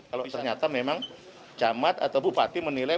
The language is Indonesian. kalau ternyata memang camat atau bupati menilai